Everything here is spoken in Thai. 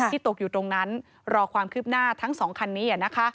ตกอยู่ตรงนั้นรอความคืบหน้าทั้ง๒คันนี้